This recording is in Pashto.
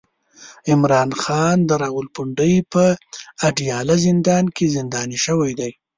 عمران خان د راولپنډۍ په اډياله زندان کې زنداني شوی دی